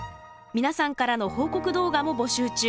皆さんからの報告動画も募集中。